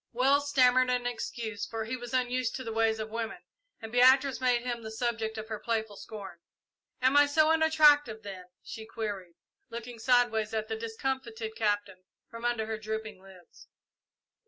Wells stammered an excuse, for he was unused to the ways of women, and Beatrice made him the subject of her playful scorn. "Am I so unattractive, then?" she queried, looking sideways at the discomfited Captain from under her drooping lids.